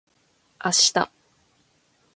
明日